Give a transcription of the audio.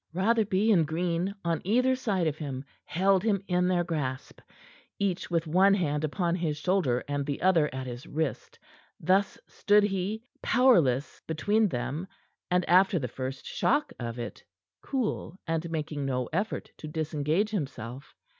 Rotherby and Green, on either side of him, held him in their grasp, each with one hand upon his shoulder and the other at his wrist. Thus stood he, powerless between them, and, after the first shock of it, cool and making no effort to disengage himself.